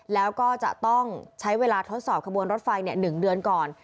แล้วก็จะต้องใช้เวลาทดสอบขบวนรถไฟ๑เดือนก่อน